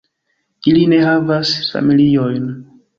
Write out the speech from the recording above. Ili ne havas familiojn.